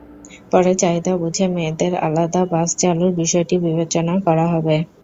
পরে চাহিদা বুঝে মেয়েদের আলাদা বাস চালুর বিষয়টি বিবেচনা করা হবে।